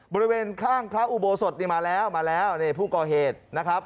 บริเวณข้างพระอุโบสถนี่มาแล้วมาแล้วนี่ผู้ก่อเหตุนะครับ